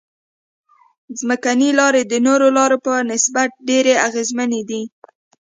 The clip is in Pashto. ځمکنۍ لارې د نورو لارو په نسبت ډېرې اغیزمنې دي